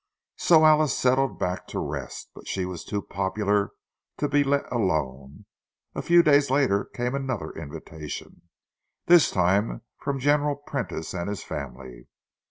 So Alice settled back to rest; but she was too popular to be let alone—a few days later came another invitation, this time from General Prentice and his family.